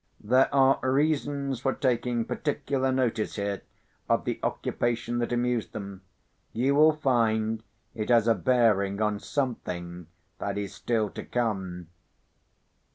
There are reasons for taking particular notice here of the occupation that amused them. You will find it has a bearing on something that is still to come.